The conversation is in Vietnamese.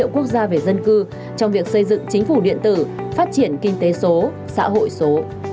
quốc gia về dân cư trong việc xây dựng chính phủ điện tử phát triển kinh tế số xã hội số